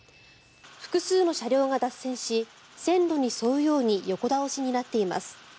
複数の車両が脱線し線路に沿うように横倒しになっています。